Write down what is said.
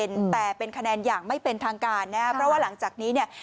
แต่เป็นคะแนนอย่างไม่เป็นทางการนะครับเพราะว่าหลังจากนี้เนี่ย